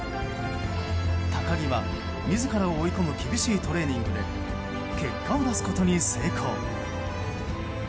高木は自らを追い込む厳しいトレーニングで結果を出すことに成功。